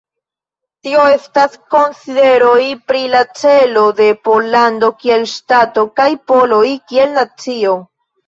Tio estas konsideroj pri la celo de Pollando kiel ŝtato kaj poloj kiel nacio.